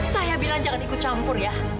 saya bilang jangan ikut campur ya